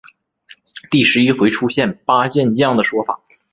第十一回出现八健将的说法。